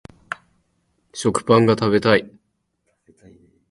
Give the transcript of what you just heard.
食パンが食べたい